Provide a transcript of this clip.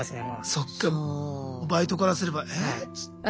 そっかバイトからすれば「ええ？」。